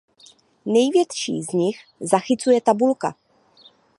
Největší z nich zachycuje tabulka.